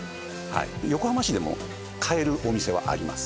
横浜市でも買えるお店はあります